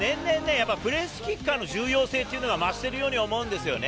年々、キッカーの重要性が増しているように思うんですよね。